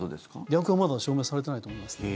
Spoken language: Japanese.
逆はまだ証明されてないと思いますね。